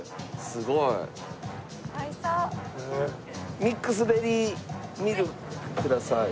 ミックスベリーミルクください。